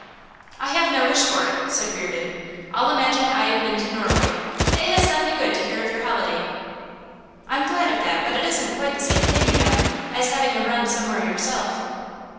'I have no wish for it,' said Reardon. 'I'll imagine I have been to Norway. It has done me good to hear of your holiday.' 'I'm glad of that; but it isn't quite the same thing, you know, as having a run somewhere yourself.